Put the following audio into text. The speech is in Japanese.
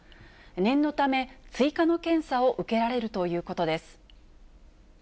念のため、追加の検査を受けられるということです。